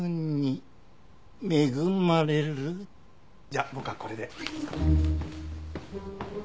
じゃあ僕はこれで。